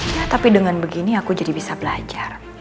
ya tapi dengan begini aku jadi bisa belajar